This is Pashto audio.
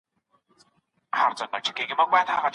فساد کول د خدای نارضایتي ده.